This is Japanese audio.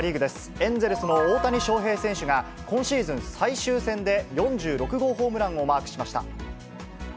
エンゼルスの大谷翔平選手が、今シーズン最終戦で４６号ホームランをマークしました。